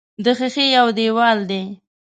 د ښیښې یو دېوال دی.